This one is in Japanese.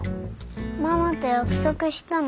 ママと約束したの。